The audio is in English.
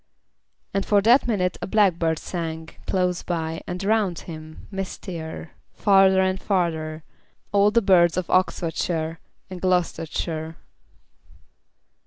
And for that minute a blackbird sang Close by, and round him, mistier, Farther and farther, all the birds Of Oxfordshire and Gloustershire.